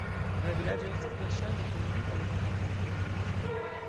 La vilaĝo estis verŝajne fondita de germanaj koloniistoj.